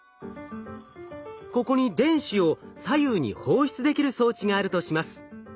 ここに電子を左右に放出できる装置があるとします。